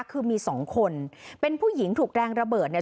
คือมีสองคนเป็นผู้หญิงถูกแรงระเบิดเนี่ย